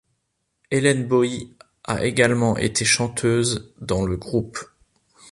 Hélène Bohy a également été chanteuse dans le groupe.